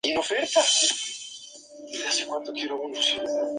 La representación social sería ejercida por el Dr.